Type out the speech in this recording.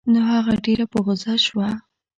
نو هغه ډېره په غوسه شوه.